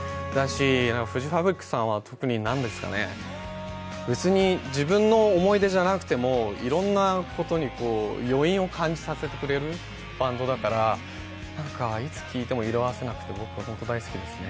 フジファブリックさんは特に、別に自分の思い出じゃなくてもいろんなことに余韻を感じさせてくれるバンドだから、いつ聴いても色あせなくてホント大好きですね。